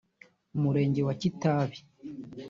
Umurenge wa Kitabi